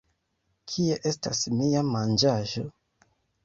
Kie estas mia manĝaĵo!